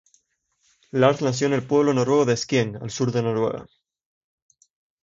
Lars nació en el pueblo noruego de Skien, al sur de Noruega.